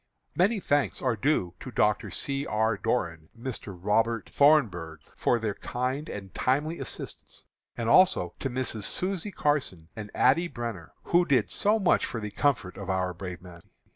"Many thanks are due to Dr. C. R. Doran and Mr. Robert Thornburgh, for their kind and timely assistance, and also to Misses Susie Carson and Addie Brenner, who did so much for the comfort of our brave men.